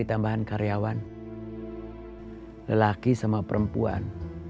tambahan karyawan lelaki sama perempuan